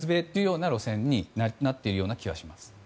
脱米というような路線になっている気がします。